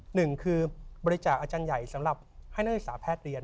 หนึ่งคือบริจาคอาจารย์ใหญ่สำหรับให้นักศึกษาแพทย์เรียน